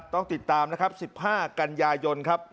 ต้องติดตามนะครับ๑๕กันยายนครับ